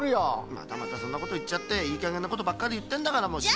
またまたそんなこといっちゃっていいかげんなことばっかりいって。